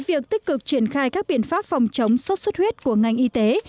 việc tích cực triển khai các biện pháp phòng chống sốt xuất huyết của ngành y tế